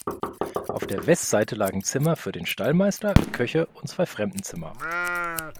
Auf der Westseite lagen Zimmer für den Stallmeister, Köche und zwei Fremdenzimmer.